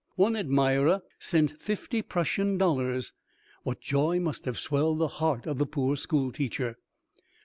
One admirer sent fifty Prussian dollars. What joy must have swelled the heart of the poor schoolteacher!